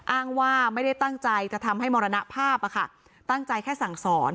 อ้างว่าไม่ได้ตั้งใจจะทำให้มรณภาพอะค่ะตั้งใจแค่สั่งสอน